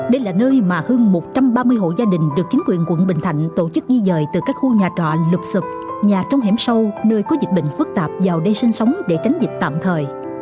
đây là nơi mà hơn một trăm ba mươi hộ gia đình được chính quyền quận bình thạnh tổ chức di dời từ các khu nhà trọ lục xụp nhà trong hẻm sâu nơi có dịch bệnh phức tạp vào đây sinh sống để tránh dịch tạm thời